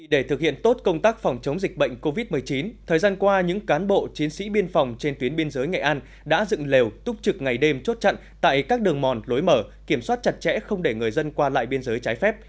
để thực hiện tốt công tác phòng chống dịch bệnh covid một mươi chín thời gian qua những cán bộ chiến sĩ biên phòng trên tuyến biên giới nghệ an đã dựng lều túc trực ngày đêm chốt chặn tại các đường mòn lối mở kiểm soát chặt chẽ không để người dân qua lại biên giới trái phép